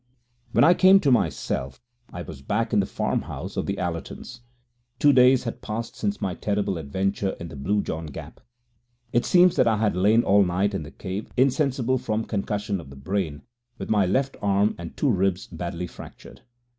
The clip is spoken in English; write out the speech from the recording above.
< 16 > When I came to myself I was back in the farm house of the Allertons. Two days had passed since my terrible adventure in the Blue John Gap. It seems that I had lain all night in the cave insensible from concussion of the brain, with my left arm and two ribs badly fractured.